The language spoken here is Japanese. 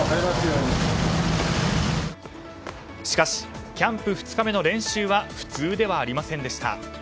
しかし、キャンプ２日目の練習は普通ではありませんでした。